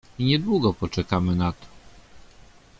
I niedługo poczekamy na to.